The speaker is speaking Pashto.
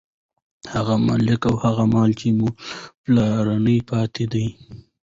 هغه ملک او مال، چې مو له پلاره پاتې دى.